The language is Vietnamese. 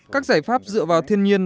các giải pháp dựa vào thiên nhiên